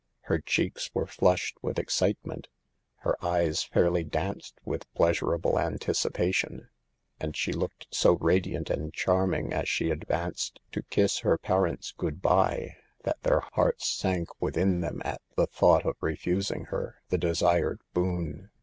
Her cheeks were flushed with excitement, her 62 SAVE THE GIBIS. eyes fairly danced with pleasurable anticipa tion, and she looked so radiant and charming as she advanced to kiss her parents good bye, that their hearts sank within them at the thought of refusing her . the desired boon.